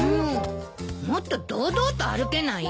もっと堂々と歩けない？